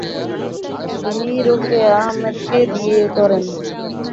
তিনি রোকেয়া আহমেদকে বিয়ে করেন।